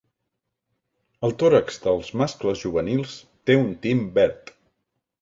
El tòrax dels mascles juvenils té un tint verd.